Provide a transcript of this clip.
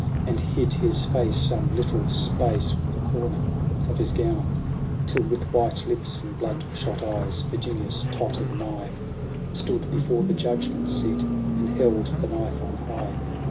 And hid his face some little space with the corner of his gown, Till, with white lips and bloodshot eyes, Virginius tottered nigh. And stood before the judgment seat, and held the knife on high.